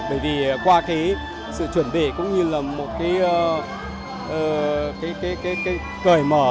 bởi vì qua cái sự chuẩn bị cũng như là một cái cởi mở